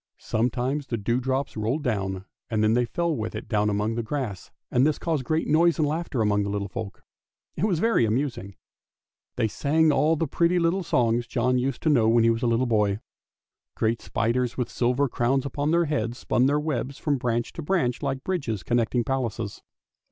Sometimes the dewdrops rolled down, and then they fell with it down among the grass, and this caused great noise and laughter among the little folks. It was very amusing. They sang all the pretty little songs John used to know when he was a little boy. Great spiders with silver crowns upon their heads spun their webs from branch to branch like bridges connecting palaces.